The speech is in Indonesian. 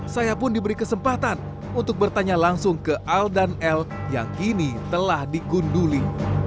saya pun diberi kesempatan untuk bertanya langsung ke aldan l yang kini telah digunduli